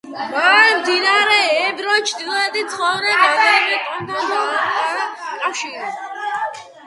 მან მდინარე ებროს ჩრდილოეთით მცხოვრებ რამდენიმე ტომთან დაამყარა კავშირი.